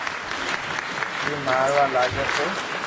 جيم ماروا لاگي تو